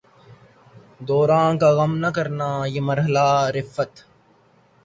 دوراں کا غم نہ کرنا، یہ مرحلہ ء رفعت